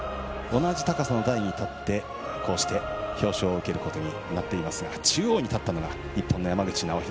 同じ高さの台に立ってこうして、表彰を受けることになっていますが中央に立ったのが日本の山口尚秀。